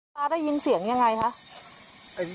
พระพระได้ยินเสียงอย่างไรคะ